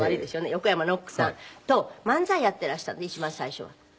横山ノックさんと漫才やっていらしたのね一番最初は。